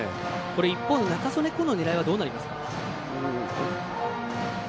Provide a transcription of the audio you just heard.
一方の仲宗根皐の狙いはどうなりますか。